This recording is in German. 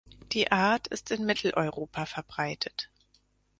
Die Art ist in Mitteleuropa verbreitet.